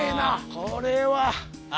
これは。あ。